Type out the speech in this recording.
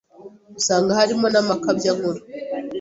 usanga harimo n’amakabyankuru